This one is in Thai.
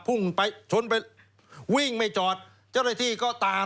พุ่งไปชนไปวิ่งไม่จอดเจ้าหน้าที่ก็ตาม